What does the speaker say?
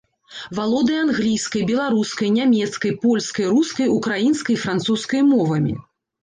Валодае англійскай, беларускай, нямецкай, польскай, рускай, украінскай і французскай мовамі.